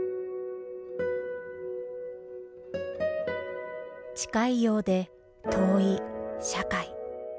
近いようで遠い社会。